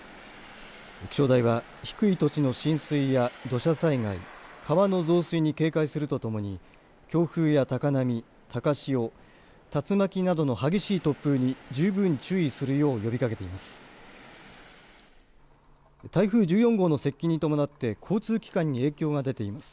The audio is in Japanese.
気象台は、低い土地の浸水や土砂災害、川の増水に警戒するとともに強風や高波高潮、竜巻などの激しい突風に十分注意するよう呼びかけてます。